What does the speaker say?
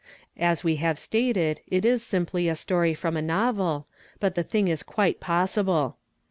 As we have stated, it is simply a story from a novel but the thing is quite possible.